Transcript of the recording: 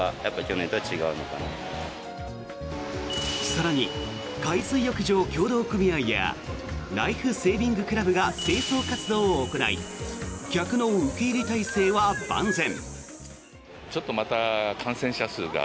更に海水浴場協同組合やライフセービングクラブが清掃活動を行い客の受け入れ態勢は万全。